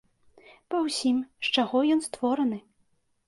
Па ўсім, з чаго ён створаны.